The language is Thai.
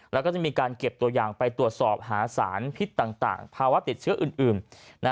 แล้วก็จะมีการเก็บตัวอย่างไปตรวจสอบหาสารพิษต่างภาวะติดเชื้ออื่น